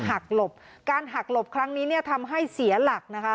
หลบการหักหลบครั้งนี้เนี่ยทำให้เสียหลักนะคะ